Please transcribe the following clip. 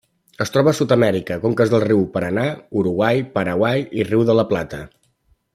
Es troba a Sud-amèrica: conques dels rius Paranà, Uruguai, Paraguai i Riu de La Plata.